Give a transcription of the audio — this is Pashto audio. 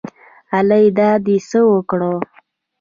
الۍ دا دې څه وکړه